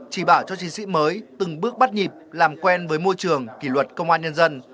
chỉ bảo cho chiến sĩ mới từng bước bắt nhịp làm quen với môi trường kỷ luật công an nhân dân